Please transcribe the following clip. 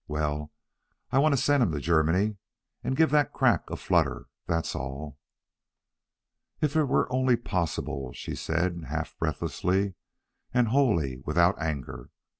Well, I want to send him to Germany and give that crack a flutter, that's all." "If it were only possible" she said, half breathlessly, and wholly without anger.